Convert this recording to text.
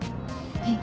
はい。